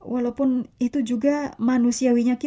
walaupun itu juga manusiawinya kita